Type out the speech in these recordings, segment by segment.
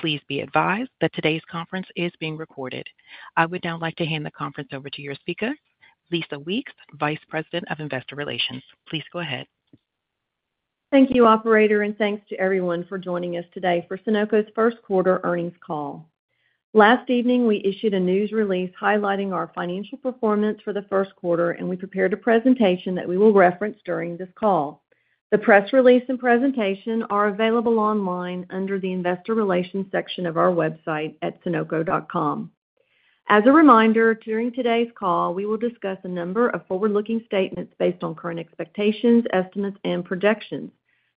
Please be advised that today's conference is being recorded. I would now like to hand the conference over to your speaker, Lisa Weeks, Vice President of Investor Relations. Please go ahead. Thank you, operator, and thanks to everyone for joining us today for Sonoco's Q1 earnings call. Last evening, we issued a news release highlighting our financial performance for the Q1, and we prepared a presentation that we will reference during this call. The press release and presentation are available online under the Investor Relations section of our website at sonoco.com. As a reminder, during today's call, we will discuss a number of forward-looking statements based on current expectations, estimates, and projections.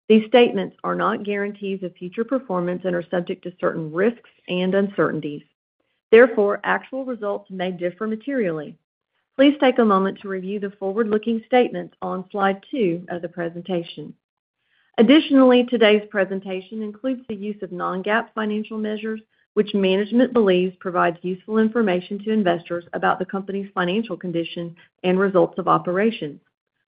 These statements are not guarantees of future performance and are subject to certain risks and uncertainties. Therefore, actual results may differ materially. Please take a moment to review the forward-looking statements on slide two of the presentation. Additionally, today's presentation includes the use of non-GAAP financial measures, which management believes provides useful information to investors about the company's financial condition and results of operations.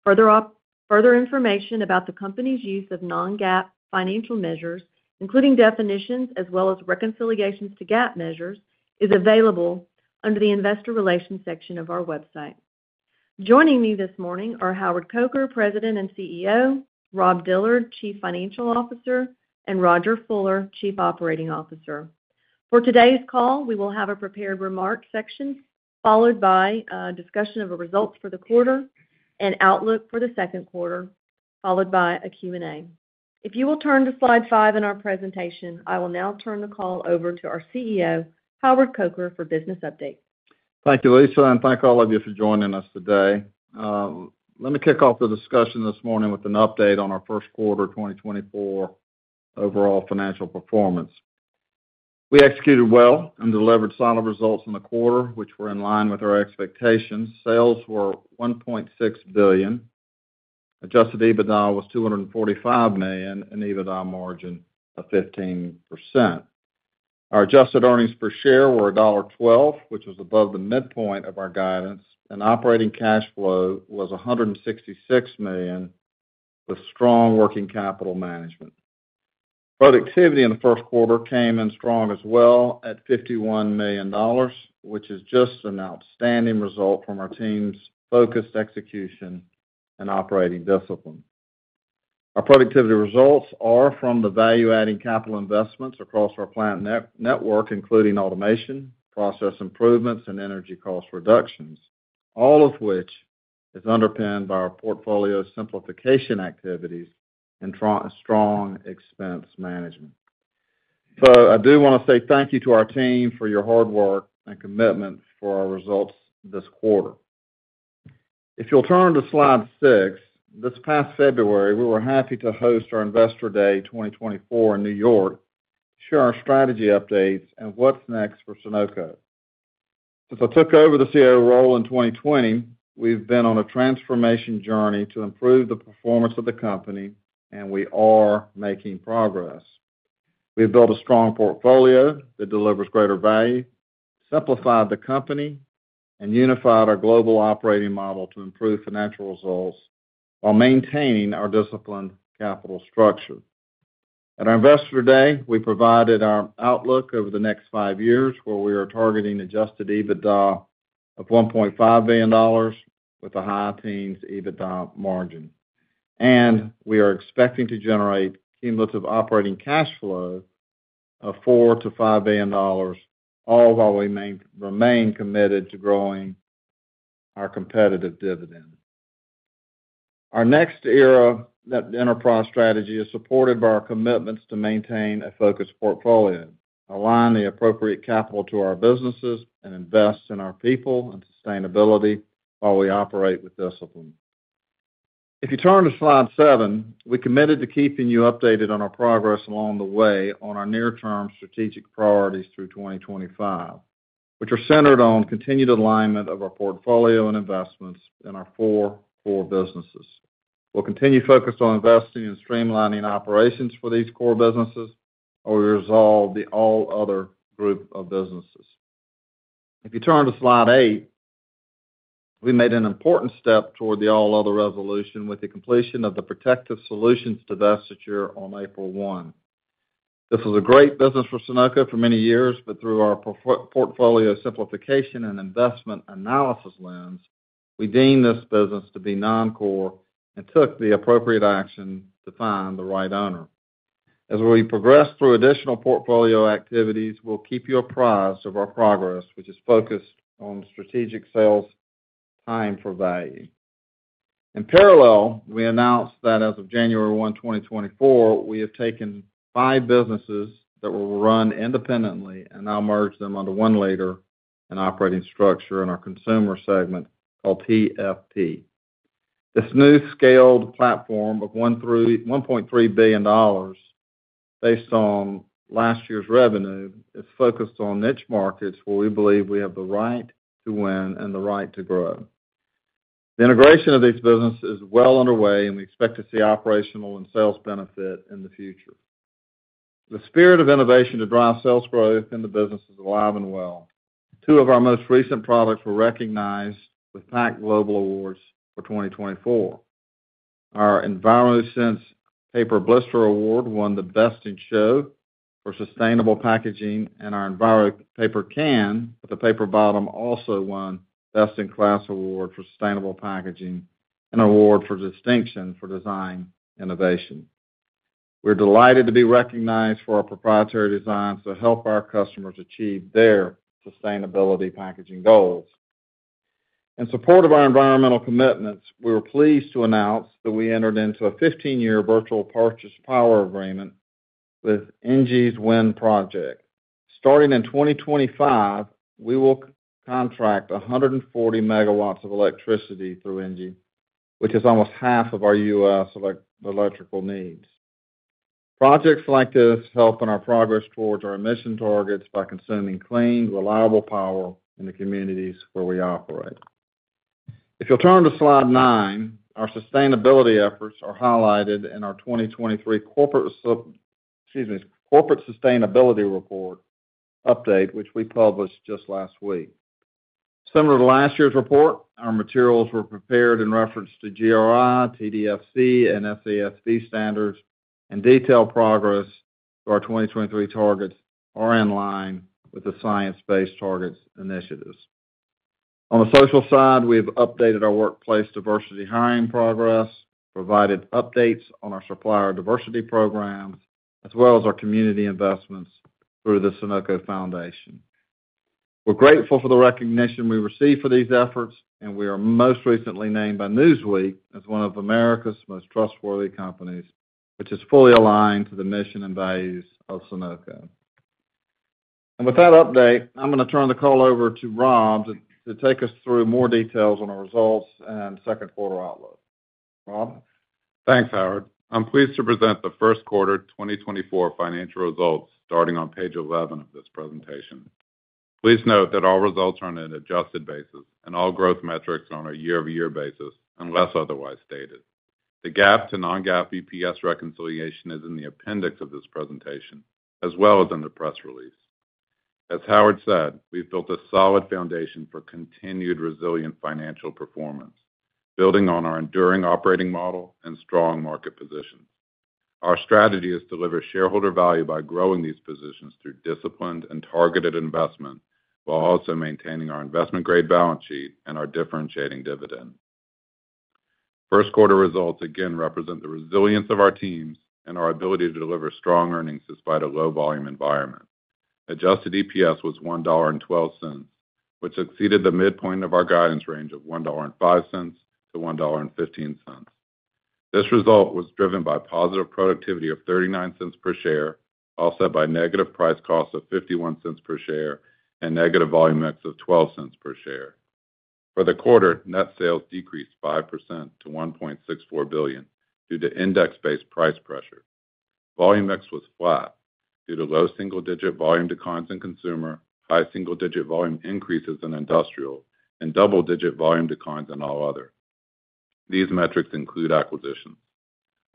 Further information about the company's use of non-GAAP financial measures, including definitions as well as reconciliations to GAAP measures, is available under the Investor Relations section of our website. Joining me this morning are Howard Coker, President and CEO, Rob Dillard, Chief Financial Officer, and Rodger Fuller, Chief Operating Officer. For today's call, we will have a prepared remarks section, followed by a discussion of the results for the quarter and outlook for the Q2, followed by a Q&A. If you will turn to slide five in our presentation, I will now turn the call over to our CEO, Howard Coker, for business update. Thank you, Lisa, and thank all of you for joining us today. Let me kick off the discussion this morning with an update on our Q1 2024 overall financial performance. We executed well and delivered solid results in the quarter, which were in line with our expectations. Sales were $1.6 billion, Adjusted EBITDA was $245 million, and EBITDA margin of 15%. Our adjusted earnings per share were $1.12, which was above the midpoint of our guidance, and operating cash flow was $166 million, with strong working capital management. Productivity in the Q1 came in strong as well at $51 million, which is just an outstanding result from our team's focused execution and operating discipline. Our productivity results are from the value-adding capital investments across our plant network, including automation, process improvements, and energy cost reductions, all of which is underpinned by our portfolio simplification activities and strong expense management. So I do wanna say thank you to our team for your hard work and commitment for our results this quarter. If you'll turn to slide 6, this past February, we were happy to host our Investor Day 2024 in New York to share our strategy updates and what's next for Sonoco. Since I took over the CEO role in 2020, we've been on a transformation journey to improve the performance of the company, and we are making progress. We've built a strong portfolio that delivers greater value, simplified the company, and unified our global operating model to improve financial results while maintaining our disciplined capital structure. At our Investor Day, we provided our outlook over the next 5 years, where we are targeting Adjusted EBITDA of $1.5 billion with a high-teens EBITDA margin. We are expecting to generate cumulative operating cash flow of $4 billion-$5 billion, all while we remain committed to growing our competitive dividend. Our next era, that enterprise strategy, is supported by our commitments to maintain a focused portfolio, align the appropriate capital to our businesses, and invest in our people and sustainability while we operate with discipline. If you turn to slide 7, we're committed to keeping you updated on our progress along the way on our near-term strategic priorities through 2025, which are centered on continued alignment of our portfolio and investments in our 4 core businesses. We'll continue focused on investing and streamlining operations for these core businesses, while we resolve the all other group of businesses. If you turn to slide 8, we made an important step toward the all other resolution with the completion of the Protective Solutions divestiture on April 1. This was a great business for Sonoco for many years, but through our portfolio simplification and investment analysis lens, we deemed this business to be non-core and took the appropriate action to find the right owner. As we progress through additional portfolio activities, we'll keep you apprised of our progress, which is focused on strategic sales, time for value. In parallel, we announced that as of January 1, 2024, we have taken 5 businesses that will run independently and now merge them under one leader and operating structure in our consumer segment called TFP. This new scaled platform of $1-$1.3 billion, based on last year's revenue, is focused on niche markets where we believe we have the right to win and the right to grow. The integration of these businesses is well underway, and we expect to see operational and sales benefit in the future. The spirit of innovation to drive sales growth in the business is alive and well. Two of our most recent products were recognized with PAC Global Awards for 2024. Our EnviroSense paper blister award won the Best in Show for Sustainable Packaging, and our EnviroCan with a paper bottom also won Best in Class Award for Sustainable Packaging and Award for Distinction for Design Innovation. We're delighted to be recognized for our proprietary designs to help our customers achieve their sustainability packaging goals. In support of our environmental commitments, we were pleased to announce that we entered into a 15-year Virtual Power Purchase Agreement with ENGIE's Big Smile Wind Project. Starting in 2025, we will contract 140 megawatts of electricity through ENGIE, which is almost half of our U.S. electrical needs. Projects like this help in our progress towards our emission targets by consuming clean, reliable power in the communities where we operate. If you'll turn to slide 9, our sustainability efforts are highlighted in our 2023 Corporate Sustainability Report update, which we published just last week. Excuse me, similar to last year's report, our materials were prepared in reference to GRI, TCFD, and SASB standards, and detailed progress to our 2023 targets are in line with the Science Based Targets initiative. On the social side, we've updated our workplace diversity hiring progress, provided updates on our supplier diversity programs, as well as our community investments through the Sonoco Foundation. We're grateful for the recognition we've received for these efforts, and we are most recently named by Newsweek as one of America's most trustworthy companies, which is fully aligned to the mission and values of Sonoco. And with that update, I'm gonna turn the call over to Rob to take us through more details on our results and Q2 outlook. Rob? Thanks, Howard. I'm pleased to present the Q1 2024 financial results, starting on page 11 of this presentation. Please note that all results are on an adjusted basis, and all growth metrics are on a year-over-year basis, unless otherwise stated. The GAAP to non-GAAP EPS reconciliation is in the appendix of this presentation, as well as in the press release. As Howard said, we've built a solid foundation for continued resilient financial performance, building on our enduring operating model and strong market position. Our strategy is to deliver shareholder value by growing these positions through disciplined and targeted investment, while also maintaining our investment-grade balance sheet and our differentiating dividend. Q1 results again represent the resilience of our teams and our ability to deliver strong earnings despite a low volume environment. Adjusted EPS was $1.12, which exceeded the midpoint of our guidance range of $1.05-$1.15. This result was driven by positive productivity of $0.39 per share, offset by negative price costs of $0.51 per share and negative volume mix of $0.12 per share. For the quarter, net sales decreased 5% to $1.64 billion due to index-based price pressure. Volume mix was flat due to low single-digit volume declines in consumer, high single-digit volume increases in industrial, and double-digit volume declines in all other. These metrics include acquisitions.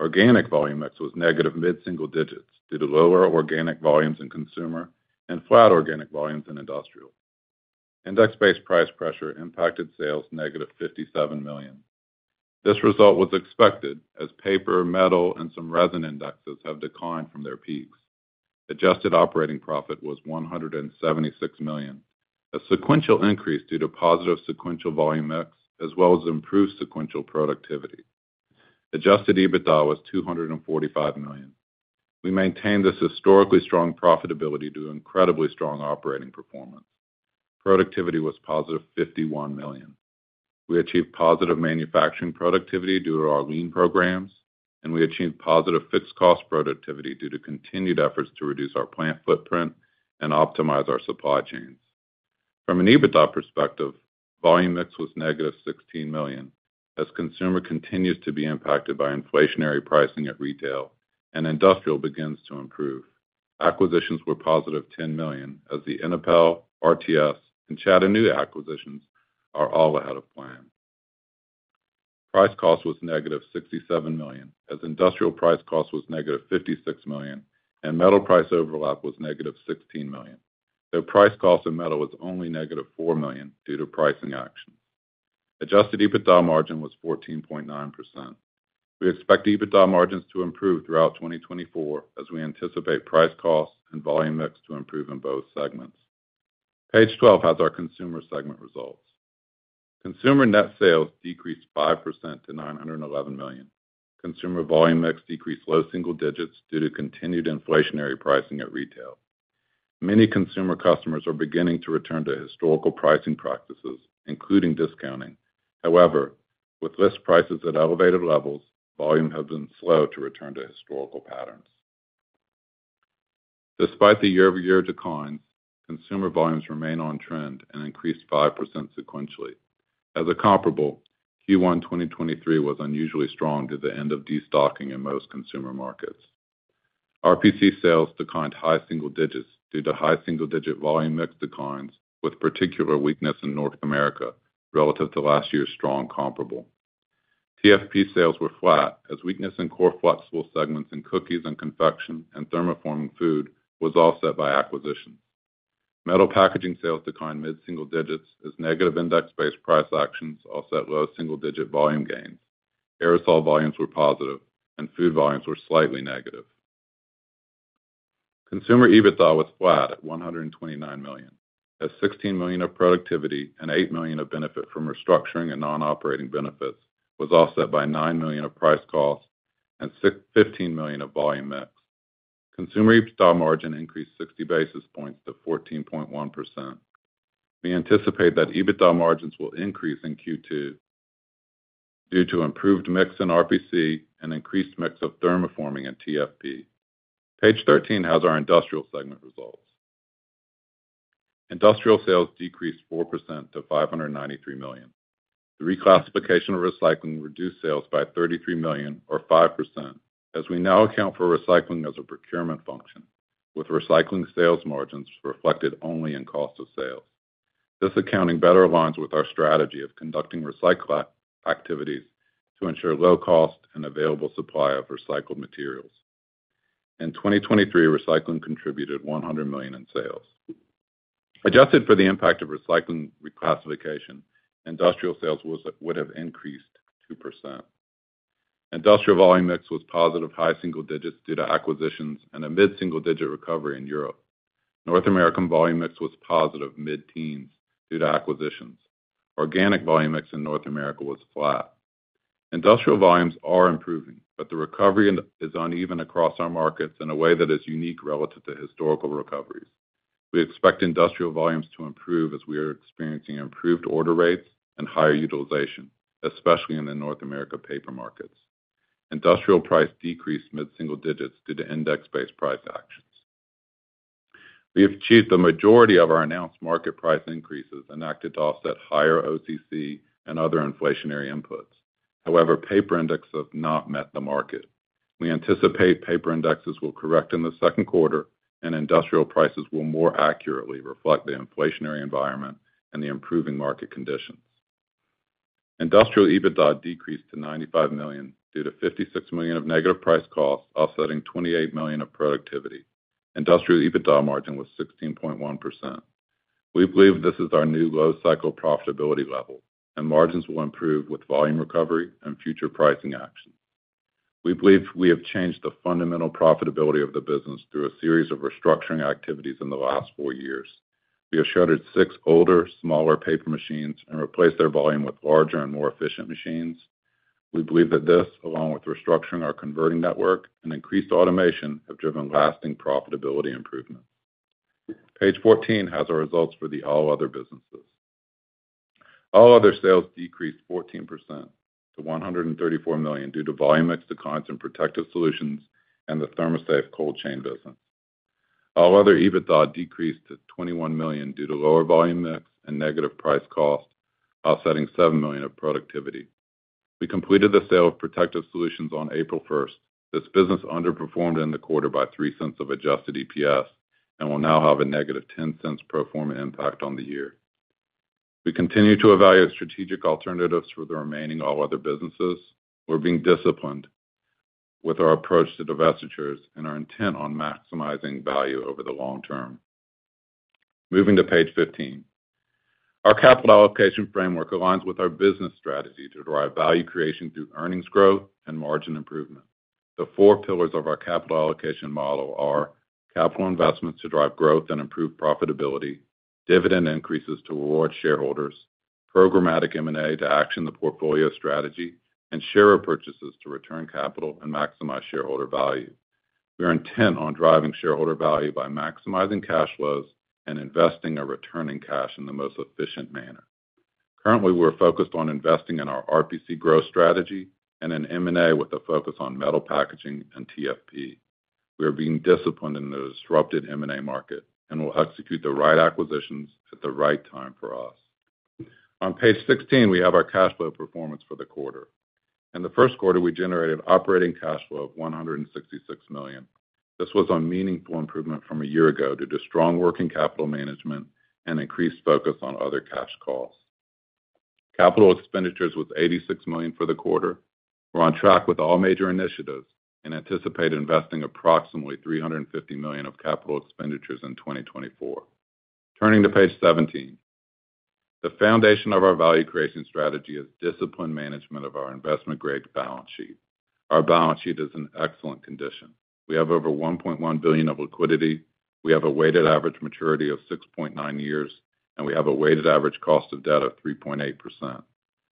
Organic volume mix was negative mid-single digits due to lower organic volumes in consumer and flat organic volumes in industrial. Index-based price pressure impacted sales negative $57 million. This result was expected as paper, metal, and some resin indexes have declined from their peaks. Adjusted operating profit was $176 million, a sequential increase due to positive sequential volume mix, as well as improved sequential productivity. Adjusted EBITDA was $245 million. We maintained this historically strong profitability due to incredibly strong operating performance. Productivity was +$51 million. We achieved positive manufacturing productivity due to our lean programs, and we achieved positive fixed cost productivity due to continued efforts to reduce our plant footprint and optimize our supply chains. From an EBITDA perspective, volume mix was -$16 million, as consumer continues to be impacted by inflationary pricing at retail and industrial begins to improve. Acquisitions were +$10 million, as the Inapel, RTS, and Chattanooga acquisitions are all ahead of plan. Price cost was -$67 million, as industrial price cost was -$56 million and metal price overlap was -$16 million. The price cost in metal was only -$4 million due to pricing actions. Adjusted EBITDA margin was 14.9%. We expect EBITDA margins to improve throughout 2024 as we anticipate price costs and volume mix to improve in both segments. Page 12 has our consumer segment results. Consumer net sales decreased 5% to $911 million. Consumer volume mix decreased low single digits due to continued inflationary pricing at retail. Many consumer customers are beginning to return to historical pricing practices, including discounting. However, with list prices at elevated levels, volume has been slow to return to historical patterns. Despite the year-over-year decline, consumer volumes remain on trend and increased 5% sequentially. As a comparable, Q1 2023 was unusually strong due to the end of destocking in most consumer markets. RPC sales declined high single digits due to high single-digit volume mix declines, with particular weakness in North America relative to last year's strong comparable. TFP sales were flat, as weakness in core flexible segments in cookies and confection and thermoforming food was offset by acquisitions. Metal packaging sales declined mid-single digits as negative index-based price actions offset low single-digit volume gains. Aerosol volumes were positive, and food volumes were slightly negative. Consumer EBITDA was flat at $129 million, as $16 million of productivity and $8 million of benefit from restructuring and non-operating benefits was offset by $9 million of price costs and $6-$15 million of volume mix. Consumer EBITDA margin increased 60 basis points to 14.1%. We anticipate that EBITDA margins will increase in Q2 due to improved mix in RPC and increased mix of thermoforming and TFP. Page 13 has our industrial segment results. Industrial sales decreased 4% to $593 million. The reclassification of recycling reduced sales by $33 million, or 5%, as we now account for recycling as a procurement function, with recycling sales margins reflected only in cost of sales. This accounting better aligns with our strategy of conducting recycling activities to ensure low cost and available supply of recycled materials. In 2023, recycling contributed $100 million in sales. Adjusted for the impact of recycling reclassification, industrial sales would have increased 2%. Industrial volume mix was positive high single digits due to acquisitions and a mid-single-digit recovery in Europe. North American volume mix was positive mid-teens due to acquisitions. Organic volume mix in North America was flat. Industrial volumes are improving, but the recovery is uneven across our markets in a way that is unique relative to historical recoveries. We expect industrial volumes to improve as we are experiencing improved order rates and higher utilization, especially in the North America paper markets. Industrial price decreased mid-single digits due to index-based price actions. We have achieved the majority of our announced market price increases, enacted to offset higher OCC and other inflationary inputs. However, paper indexes have not met the market. We anticipate paper indexes will correct in the Q2, and industrial prices will more accurately reflect the inflationary environment and the improving market conditions. Industrial EBITDA decreased to $95 million due to $56 million of negative price costs, offsetting $28 million of productivity. Industrial EBITDA margin was 16.1%. We believe this is our new low-cycle profitability level, and margins will improve with volume recovery and future pricing actions. We believe we have changed the fundamental profitability of the business through a series of restructuring activities in the last four years. We have shuttered six older, smaller paper machines and replaced their volume with larger and more efficient machines. We believe that this, along with restructuring our converting network and increased automation, have driven lasting profitability improvements. Page 14 has our results for the All Other businesses. All Other sales decreased 14% to $134 million due to volume mix declines in Protective Solutions and the ThermoSafe cold chain business. All Other EBITDA decreased to $21 million due to lower volume mix and negative price cost, offsetting $7 million of productivity. We completed the sale of Protective Solutions on April 1. This business underperformed in the quarter by $0.03 of adjusted EPS, and will now have a -$0.10 pro forma impact on the year. We continue to evaluate strategic alternatives for the remaining all other businesses. We're being disciplined with our approach to divestitures and are intent on maximizing value over the long term. Moving to page 15. Our capital allocation framework aligns with our business strategy to drive value creation through earnings growth and margin improvement. The 4 pillars of our capital allocation model are: capital investments to drive growth and improve profitability, dividend increases to reward shareholders, programmatic M&A to action the portfolio strategy, and share repurchases to return capital and maximize shareholder value. We are intent on driving shareholder value by maximizing cash flows and investing or returning cash in the most efficient manner. Currently, we're focused on investing in our RPC growth strategy and in M&A with a focus on metal packaging and TFP. We are being disciplined in the disrupted M&A market and will execute the right acquisitions at the right time for us. On page 16, we have our cash flow performance for the quarter. In the Q1, we generated operating cash flow of $166 million. This was a meaningful improvement from a year ago due to strong working capital management and increased focus on other cash costs. Capital expenditures was $86 million for the quarter. We're on track with all major initiatives and anticipate investing approximately $350 million of capital expenditures in 2024. Turning to page 17. The foundation of our value creation strategy is disciplined management of our investment-grade balance sheet. Our balance sheet is in excellent condition. We have over $1.1 billion of liquidity, we have a weighted average maturity of 6.9 years, and we have a weighted average cost of debt of 3.8%.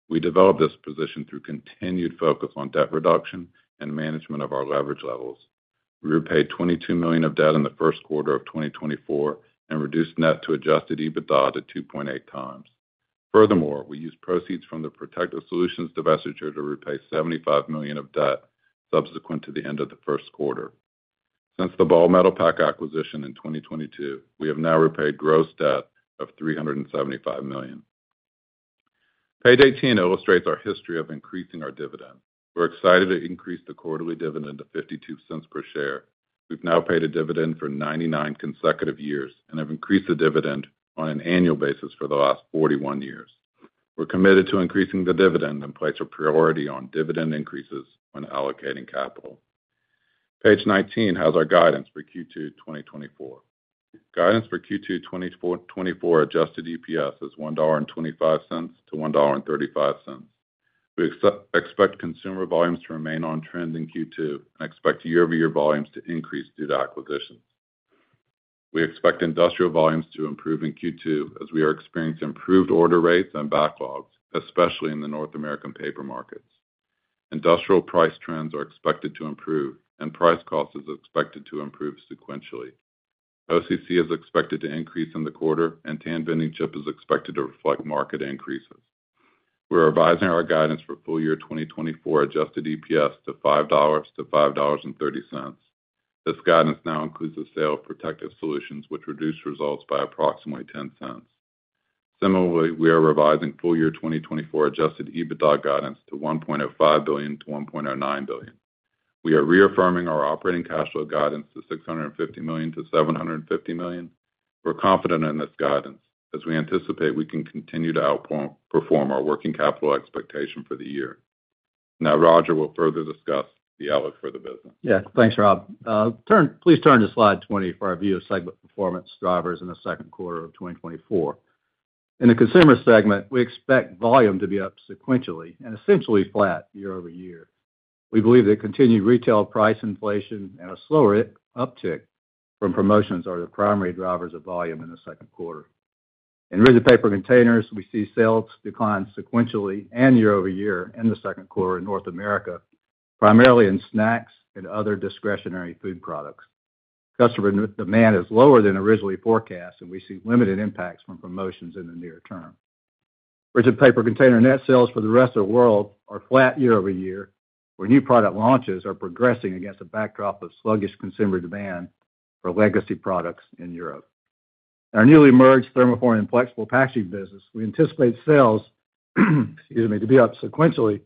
We developed this position through continued focus on debt reduction and management of our leverage levels. We repaid $22 million of debt in the Q1 of 2024 and reduced net to Adjusted EBITDA to 2.8 times. Furthermore, we used proceeds from the Protective Solutions divestiture to repay $75 million of debt subsequent to the end of the Q1. Since the Ball Metalpack acquisition in 2022, we have now repaid gross debt of $375 million. Page 18 illustrates our history of increasing our dividend. We're excited to increase the quarterly dividend to $0.52 per share. We've now paid a dividend for 99 consecutive years and have increased the dividend on an annual basis for the last 41 years. We're committed to increasing the dividend and place a priority on dividend increases when allocating capital. Page 19 has our guidance for Q2 2024. Guidance for Q2 2024, 2024 adjusted EPS is $1.25-$1.35. We expect consumer volumes to remain on trend in Q2, and expect year-over-year volumes to increase due to acquisitions. We expect industrial volumes to improve in Q2 as we are experiencing improved order rates and backlogs, especially in the North American paper markets. Industrial price trends are expected to improve, and price cost is expected to improve sequentially. OCC is expected to increase in the quarter, and Bending Chip is expected to reflect market increases. We're revising our guidance for full year 2024 adjusted EPS to $5-$5.30. This guidance now includes the sale of Protective Solutions, which reduced results by approximately $0.10. Similarly, we are revising full year 2024 adjusted EBITDA guidance to $1.05 billion-$1.09 billion. We are reaffirming our operating cash flow guidance to $650 million-$750 million. We're confident in this guidance as we anticipate we can continue to outperform our working capital expectation for the year. Now, Rodger will further discuss the outlook for the business. Yeah. Thanks, Rob. Please turn to slide 20 for our view of segment performance drivers in the Q2 of 2024. In the consumer segment, we expect volume to be up sequentially and essentially flat year-over-year. We believe that continued retail price inflation and a slower uptick from promotions are the primary drivers of volume in the Q2. In rigid paper containers, we see sales decline sequentially and year-over-year in the Q2 in North America, primarily in snacks and other discretionary food products. Customer demand is lower than originally forecast, and we see limited impacts from promotions in the near term. Rigid paper container net sales for the rest of the world are flat year-over-year, where new product launches are progressing against a backdrop of sluggish consumer demand for legacy products in Europe. Our newly merged thermoforming and flexible packaging business, we anticipate sales, excuse me, to be up sequentially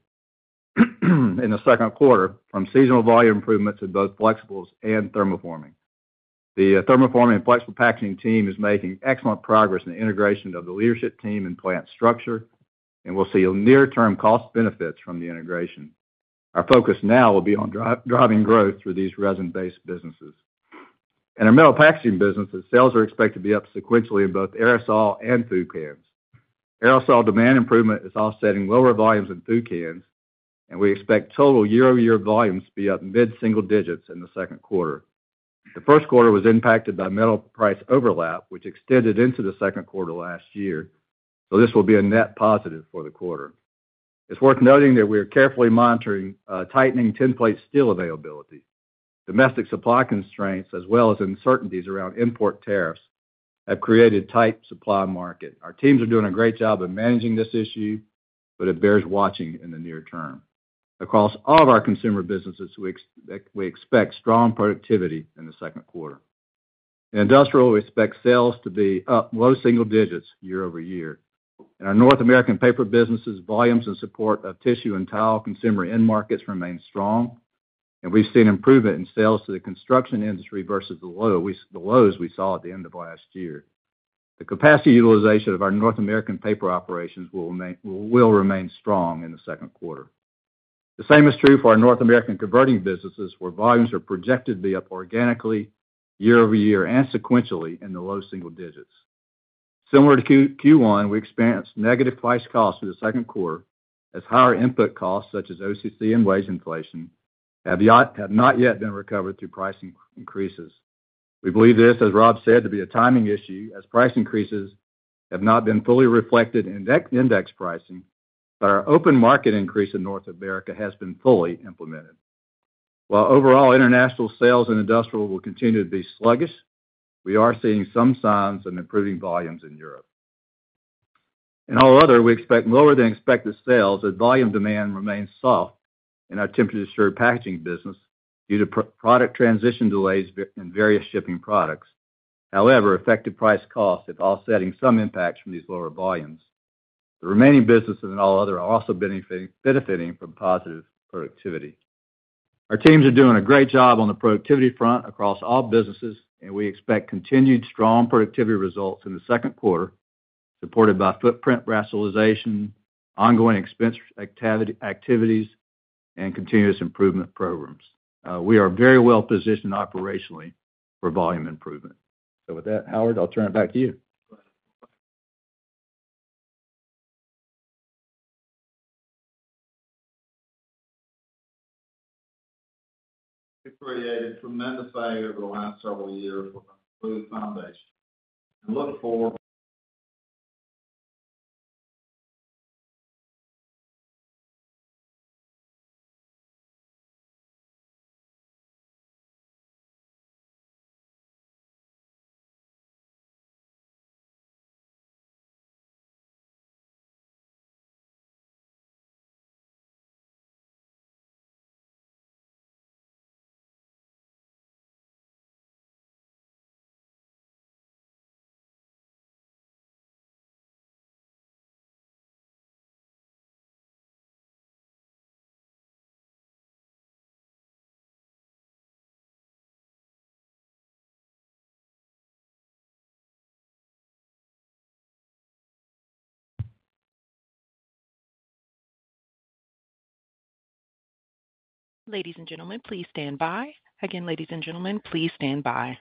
in the Q2 from seasonal volume improvements in both flexibles and thermoforming. The thermoforming and flexible packaging team is making excellent progress in the integration of the leadership team and plant structure, and we'll see near-term cost benefits from the integration. Our focus now will be on driving growth through these resin-based businesses. In our Metal Packaging businesses, sales are expected to be up sequentially in both aerosol and food cans. Aerosol demand improvement is offsetting lower volumes in food cans, and we expect total year-over-year volumes to be up mid-single digits in the Q2. The Q1 was impacted by metal price overlap, which extended into the Q2 last year, so this will be a net positive for the quarter. It's worth noting that we are carefully monitoring tightening tin plate steel availability. Domestic supply constraints, as well as uncertainties around import tariffs, have created tight supply market. Our teams are doing a great job of managing this issue, but it bears watching in the near term. Across all of our consumer businesses, we expect strong productivity in the Q2. In industrial, we expect sales to be up low single digits year-over-year. In our North American paper businesses, volumes in support of tissue and tile consumer end markets remain strong, and we've seen improvement in sales to the construction industry versus the low, the lows we saw at the end of last year. The capacity utilization of our North American paper operations will remain strong in the Q2. The same is true for our North American converting businesses, where volumes are projected to be up organically, year-over-year and sequentially in the low single digits. Similar to Q1, we experienced negative price-cost in the Q2 as higher input costs, such as OCC and wage inflation, have not yet been recovered through pricing increases. We believe this, as Rob said, to be a timing issue, as price increases have not been fully reflected in deck-index pricing, but our open market increase in North America has been fully implemented. While overall international sales and industrial will continue to be sluggish, we are seeing some signs of improving volumes in Europe. In all other, we expect lower than expected sales as volume demand remains soft in our temperature-assured packaging business due to product transition delays in various shipping products. However, effective price cost is offsetting some impacts from these lower volumes. The remaining businesses in all other are also benefiting from positive productivity. Our teams are doing a great job on the productivity front across all businesses, and we expect continued strong productivity results in the Q2, supported by footprint rationalization, ongoing expense activities, and continuous improvement programs. We are very well positioned operationally for volume improvement. So with that, Howard, I'll turn it back to you. We've created tremendous value over the last several years with a smooth foundation and look forward- Ladies and gentlemen, please stand by. Again, ladies and gentlemen, please stand by.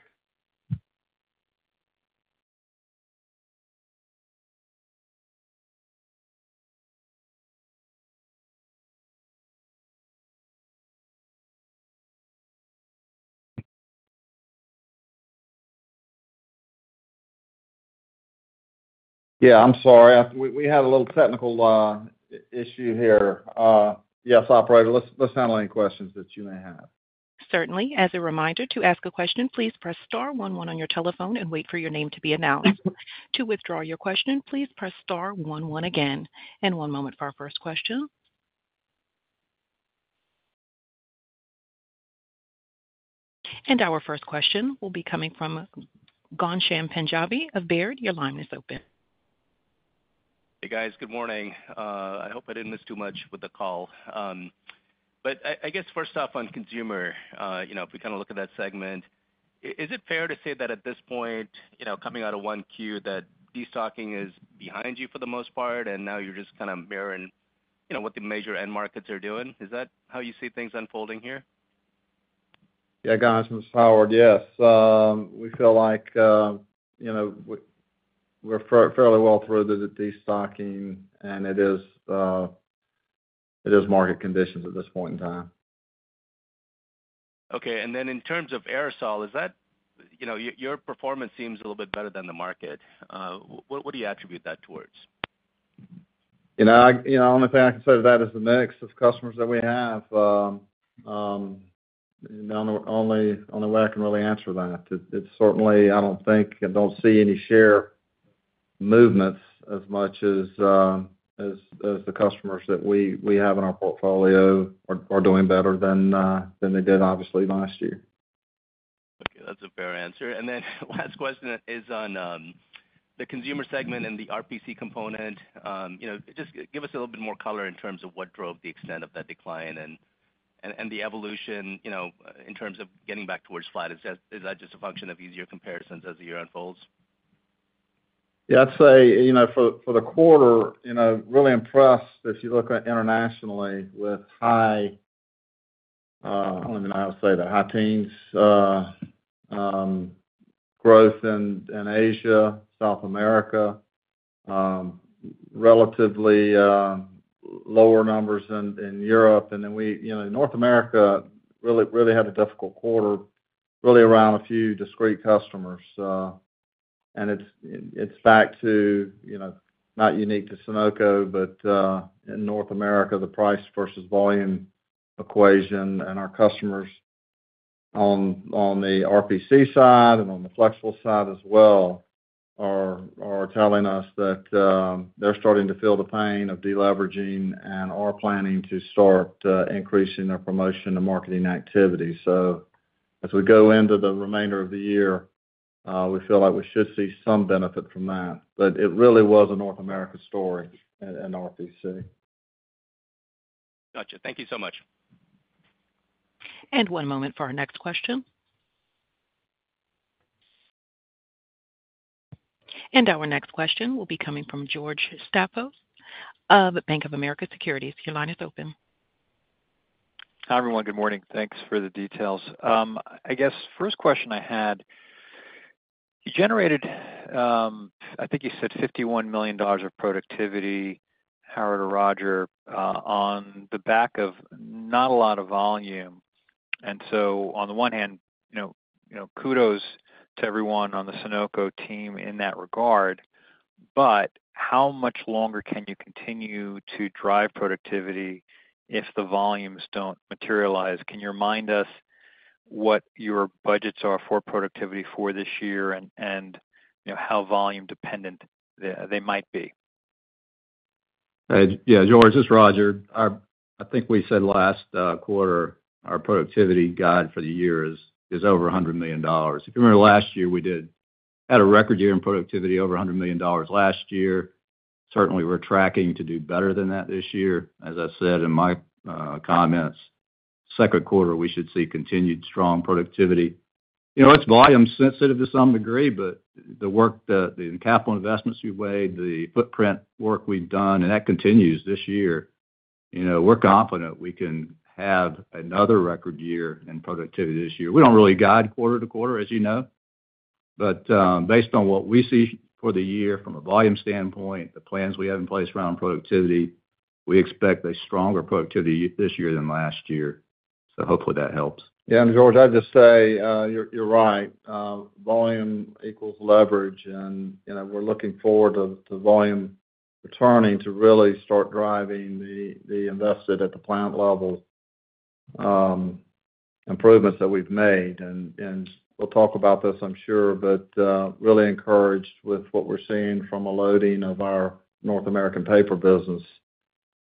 Yeah, I'm sorry. We had a little technical issue here. Yes, operator, let's handle any questions that you may have. Certainly. As a reminder, to ask a question, please press star one one on your telephone and wait for your name to be announced. To withdraw your question, please press star one one again, and one moment for our first question. And our first question will be coming from Ghansham Panjabi of Baird. Your line is open. Hey, guys. Good morning. I hope I didn't miss too much with the call. But I guess first off, on consumer, you know, if we kind of look at that segment, is it fair to say that at this point, you know, coming out of 1Q, that destocking is behind you for the most part, and now you're just kind of mirroring, you know, what the major end markets are doing? Is that how you see things unfolding here? Yeah, Ghansham, this is Howard. Yes. We feel like, you know, we're fairly well through the destocking, and it is, it is market conditions at this point in time. Okay. And then in terms of aerosol, is that... You know, your performance seems a little bit better than the market. What do you attribute that towards? You know, only thing I can say to that is the mix of customers that we have. The only way I can really answer that. It's certainly. I don't think I see any share movements as much as the customers that we have in our portfolio are doing better than they did, obviously, last year. Okay, that's a fair answer. And then last question is on the consumer segment and the RPC component. You know, just give us a little bit more color in terms of what drove the extent of that decline and the evolution, you know, in terms of getting back towards flat. Is that just a function of easier comparisons as the year unfolds? Yeah, I'd say, you know, for the quarter, you know, really impressed if you look at internationally with high, I don't even know how to say that, high teens growth in Asia, South America, relatively lower numbers in Europe. And then we, you know, North America really, really had a difficult quarter, really around a few discrete customers. And it's back to, you know, not unique to Sonoco, but in North America, the price versus volume equation and our customers on the RPC side and on the flexible side as well are telling us that they're starting to feel the pain of deleveraging and are planning to start increasing their promotion and marketing activity. So as we go into the remainder of the year, we feel like we should see some benefit from that, but it really was a North America story in RPC. Gotcha. Thank you so much. One moment for our next question. Our next question will be coming from George Staphos of Bank of America Securities. Your line is open. Hi, everyone. Good morning. Thanks for the details. I guess first question I had: You generated, I think you said $51 million of productivity, Howard or Rodger, on the back of not a lot of volume. And so on the one hand, you know, kudos to everyone on the Sonoco team in that regard, but how much longer can you continue to drive productivity if the volumes don't materialize? Can you remind us what your budgets are for productivity for this year and, you know, how volume dependent they might be? Yeah, George, this is Rodger. I think we said last quarter, our productivity guide for the year is over $100 million. If you remember, last year we had a record year in productivity, over $100 million last year. Certainly, we're tracking to do better than that this year. As I said in my comments, Q2, we should see continued strong productivity. You know, it's volume sensitive to some degree, but the work that, the capital investments we've made, the footprint work we've done, and that continues this year. You know, we're confident we can have another record year in productivity this year. We don't really guide quarter to quarter, as you know, but, based on what we see for the year from a volume standpoint, the plans we have in place around productivity, we expect a stronger productivity this year than last year. So hopefully that helps. Yeah, and George, I'd just say, you're right. Volume equals leverage, and, you know, we're looking forward to volume returning to really start driving the invested at the plant level improvements that we've made. And we'll talk about this, I'm sure, but really encouraged with what we're seeing from a loading of our North American paper business.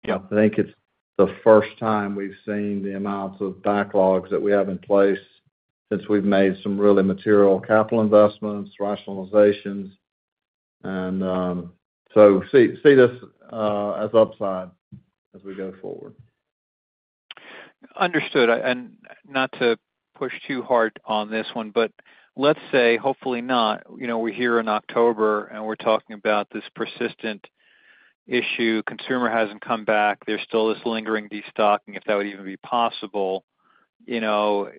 Yep. I think it's the first time we've seen the amounts of backlogs that we have in place since we've made some really material capital investments, rationalizations, and so see this as upside as we go forward. Understood. Not to push too hard on this one, but let's say, hopefully not, you know, we're here in October, and we're talking about this persistent issue. Consumer hasn't come back. There's still this lingering destocking, if that would even be possible, you know,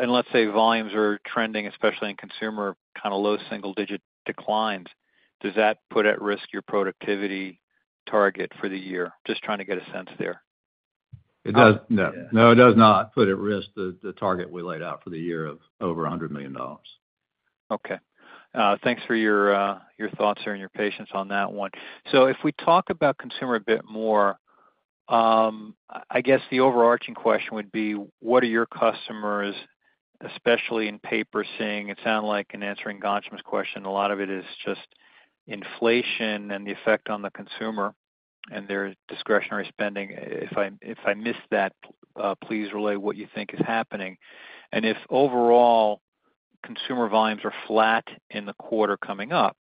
and let's say volumes are trending, especially in consumer, kind of low single-digit declines. Does that put at risk your productivity target for the year? Just trying to get a sense there. No. No, it does not put at risk the target we laid out for the year of over $100 million. Okay. Thanks for your thoughts and your patience on that one. So if we talk about consumer a bit more, I guess the overarching question would be: what are your customers, especially in paper, seeing? It sounded like, in answering Ghansham's question, a lot of it is just inflation and the effect on the consumer and their discretionary spending. If I missed that, please relay what you think is happening. And if overall consumer volumes are flat in the quarter coming up,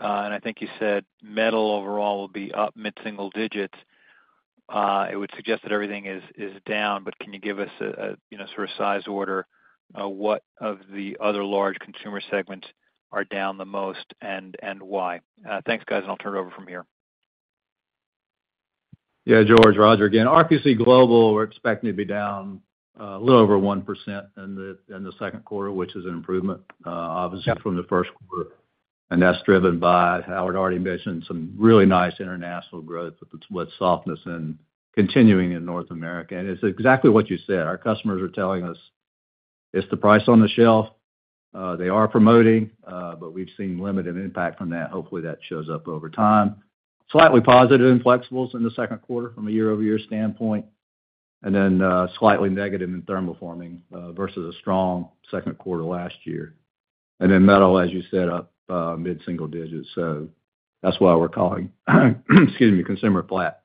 and I think you said metal overall will be up mid-single digits, it would suggest that everything is down. But can you give us a you know sort of size order of what of the other large consumer segments are down the most, and why? Thanks, guys, and I'll turn it over from here. Yeah, George, Rodger again. RPC Global, we're expecting to be down a little over 1% in the Q2, which is an improvement, obviously from the Q1, and that's driven by, Howard already mentioned, some really nice international growth with the, with softness and continuing in North America. And it's exactly what you said. Our customers are telling us it's the price on the shelf. They are promoting, but we've seen limited impact from that. Hopefully, that shows up over time. Slightly positive in flexibles in the Q2 from a year-over-year standpoint, and then, slightly negative in thermoforming, versus a strong Q2 last year. And then metal, as you said, up, mid-single digits. So that's why we're calling, excuse me, consumer flat,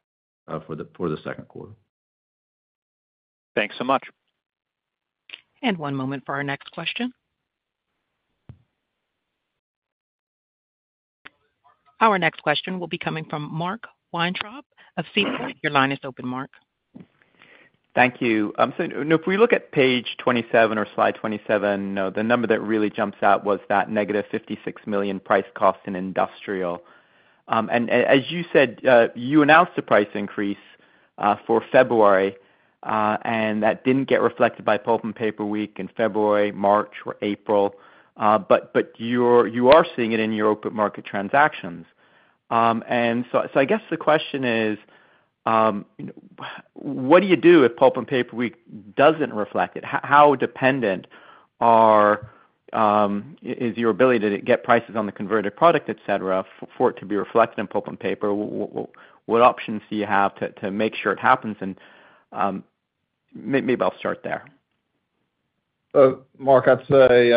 for the Q2. Thanks so much. One moment for our next question. Our next question will be coming from Mark Weintraub of Citi. Your line is open, Mark. Thank you. So, you know, if we look at page 27 or slide 27, the number that really jumps out was that negative $56 million price cost in industrial. And as you said, you announced the price increase for February, and that didn't get reflected by Pulp and Paper Week in February, March, or April. But you're seeing it in your open market transactions. And so I guess the question is, what do you do if Pulp and Paper Week doesn't reflect it? How dependent is your ability to get prices on the converted product, et cetera, for it to be reflected in Pulp and Paper? What options do you have to make sure it happens? And maybe I'll start there. Mark, I'd say,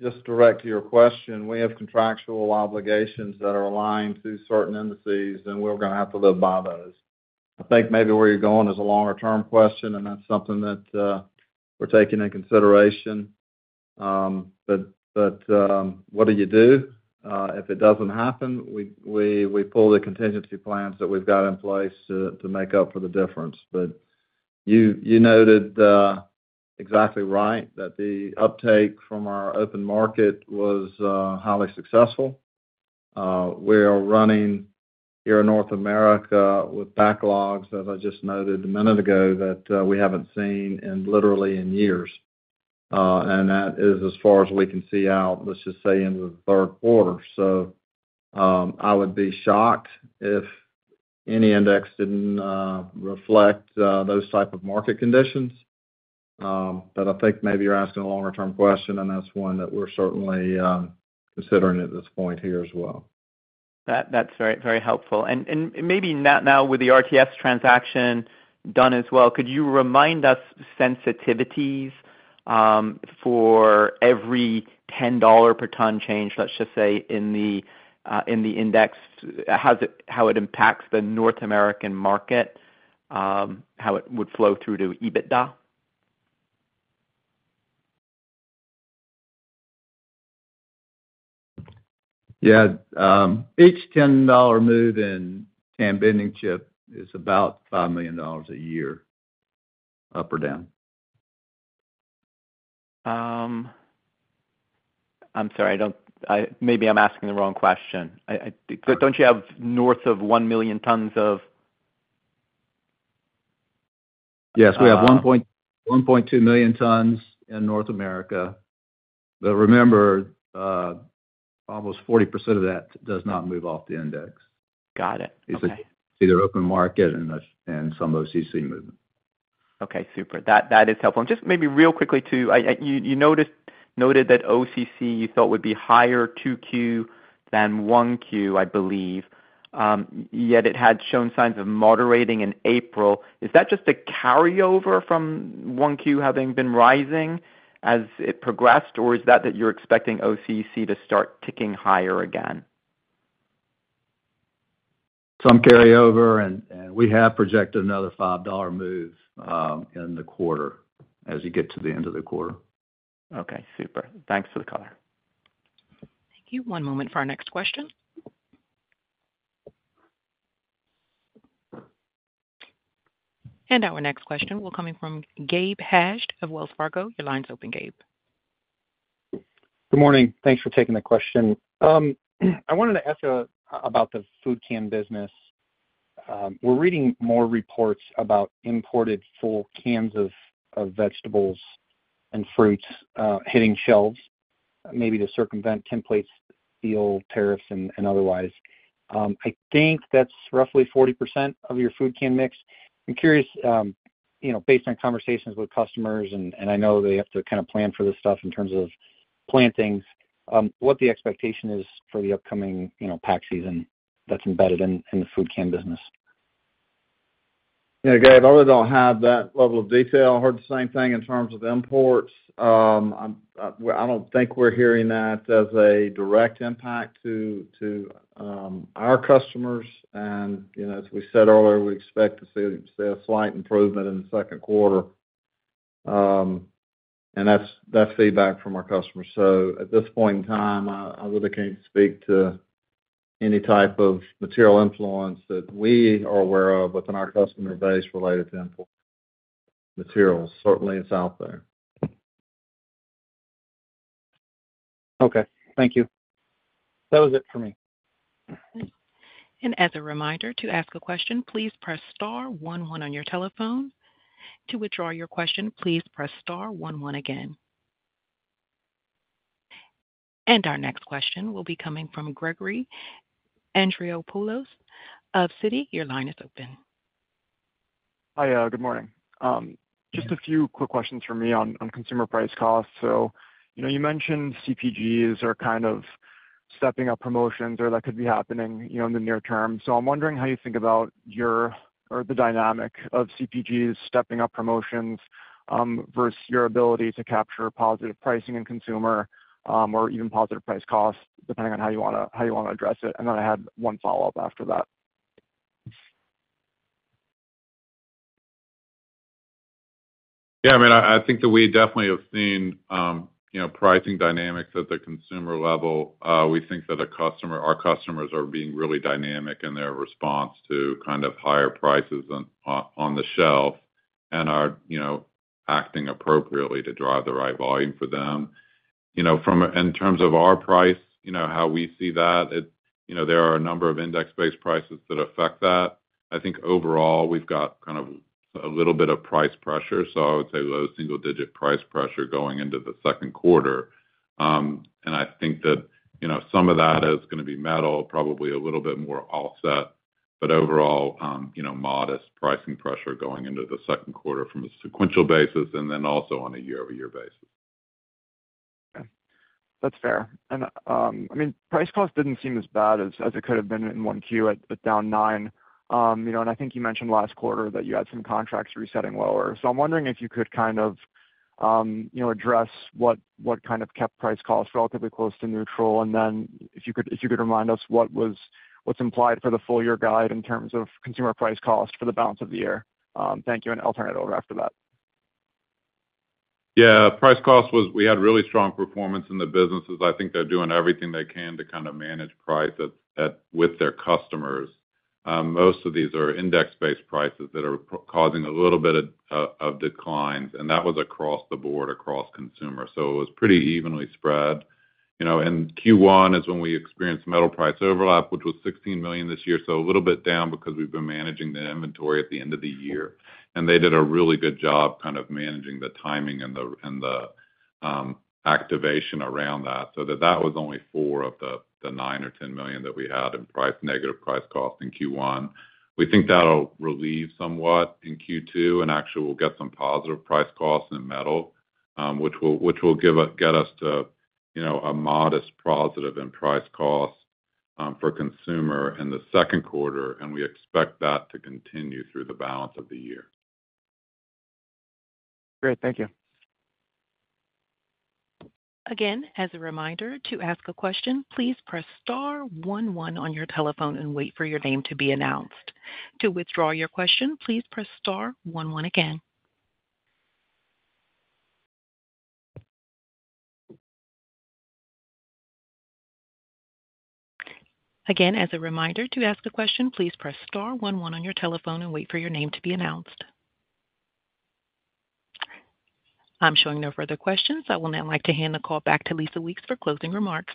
just direct to your question, we have contractual obligations that are aligned to certain indices, and we're gonna have to live by those. I think maybe where you're going is a longer-term question, and that's something that we're taking into consideration. But, what do you do, if it doesn't happen? We pull the contingency plans that we've got in place to make up for the difference. But you noted, exactly right, that the uptake from our open market was highly successful. We are running here in North America with backlogs, as I just noted a minute ago, that we haven't seen in literally years. And that is as far as we can see out, let's just say, into the Q3. So, I would be shocked if any index didn't reflect those type of market conditions. But I think maybe you're asking a longer-term question, and that's one that we're certainly considering at this point here as well. That, that's very, very helpful. And maybe now with the RTS transaction done as well, could you remind us sensitivities for every $10 per ton change, let's just say, in the index, how does it... how it impacts the North American market, how it would flow through to EBITDA? Yeah, each $10 move in Bending Chip is about $5 million a year, up or down. I'm sorry, but don't you have north of 1 million tons of- Yes, we have 1.1-1.2 million tons in North America. But remember, almost 40% of that does not move off the index. Got it. Okay. It's either open market and U.S. and some OCC movement. Okay, super. That is helpful. And just maybe real quickly, too, you noticed—noted that OCC, you thought, would be higher 2Q than 1Q, I believe, yet it had shown signs of moderating in April. Is that just a carryover from 1Q having been rising as it progressed, or is that you're expecting OCC to start ticking higher again? Some carryover, and we have projected another $5 move in the quarter, as you get to the end of the quarter. Okay, super. Thanks for the color. Thank you. One moment for our next question. Our next question will come from Gabe Hajde of Wells Fargo. Your line's open, Gabe. Good morning. Thanks for taking the question. I wanted to ask about the food can business. We're reading more reports about imported full cans of vegetables and fruits hitting shelves, maybe to circumvent templates, steel tariffs, and otherwise. I think that's roughly 40% of your food can mix. I'm curious, you know, based on conversations with customers, and I know they have to kinda plan for this stuff in terms of plantings, what the expectation is for the upcoming, you know, pack season that's embedded in the food can business? Yeah, Gabe, I really don't have that level of detail. I heard the same thing in terms of imports. I don't think we're hearing that as a direct impact to our customers, and, you know, as we said earlier, we expect to see a slight improvement in the Q2. And that's feedback from our customers. So at this point in time, I really can't speak to any type of material influence that we are aware of within our customer base related to import materials. Certainly, it's out there. Okay. Thank you. That was it for me. As a reminder, to ask a question, please press star one one on your telephone. To withdraw your question, please press star one one again. Our next question will be coming from Gregory Andreopoulos of Citi. Your line is open. Hi, good morning. Just a few quick questions from me on consumer price costs. So, you know, you mentioned CPGs are kind of stepping up promotions or that could be happening, you know, in the near term. So I'm wondering how you think about your or the dynamic of CPGs stepping up promotions versus your ability to capture positive pricing in consumer or even positive price costs, depending on how you wanna address it. And then I had one follow-up after that. Yeah, I mean, I think that we definitely have seen, you know, pricing dynamics at the consumer level. We think that our customer, our customers are being really dynamic in their response to kind of higher prices on, on the shelf and are, you know, acting appropriately to drive the right volume for them. You know, from a, in terms of our price, you know, how we see that, it, you know, there are a number of index-based prices that affect that. I think overall, we've got kind of a little bit of price pressure, so I would say low single digit price pressure going into the Q2. I think that, you know, some of that is gonna be metal, probably a little bit more offset, but overall, you know, modest pricing pressure going into the Q2 from a sequential basis and then also on a year-over-year basis. Okay. That's fair. And, I mean, price cost didn't seem as bad as it could have been in 1Q, at down 9. You know, and I think you mentioned last quarter that you had some contracts resetting lower. So I'm wondering if you could kind of, you know, address what kind of kept price costs relatively close to neutral. And then, if you could remind us what was -- what's implied for the full year guide in terms of consumer price cost for the balance of the year? Thank you, and I'll turn it over after that. Yeah. Price cost was... We had really strong performance in the businesses. I think they're doing everything they can to kind of manage price at with their customers. Most of these are index-based prices that are causing a little bit of declines, and that was across the board, across consumer. So it was pretty evenly spread. You know, and Q1 is when we experienced metal price overlap, which was $16 million this year, so a little bit down because we've been managing the inventory at the end of the year. And they did a really good job kind of managing the timing and the activation around that. So that was only $4 million of the $9 million or $10 million that we had in price, negative price cost in Q1. We think that'll relieve somewhat in Q2, and actually, we'll get some positive price costs in metal, which will get us to, you know, a modest positive in price costs for consumer in the Q2, and we expect that to continue through the balance of the year. Great. Thank you. Again, as a reminder, to ask a question, please press star one one on your telephone and wait for your name to be announced. To withdraw your question, please press star one one again. Again, as a reminder, to ask a question, please press star one one on your telephone and wait for your name to be announced. I'm showing no further questions. I will now like to hand the call back to Lisa Weeks for closing remarks.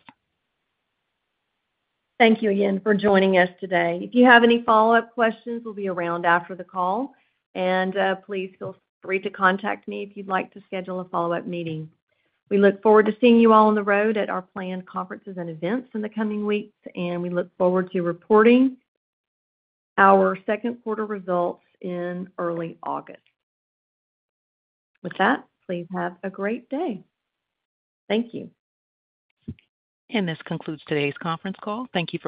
Thank you again for joining us today. If you have any follow-up questions, we'll be around after the call, and please feel free to contact me if you'd like to schedule a follow-up meeting. We look forward to seeing you all on the road at our planned conferences and events in the coming weeks, and we look forward to reporting our Q2 results in early August. With that, please have a great day. Thank you. This concludes today's conference call. Thank you for participating.